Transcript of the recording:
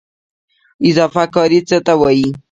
اضافه کاري څه ته وایي؟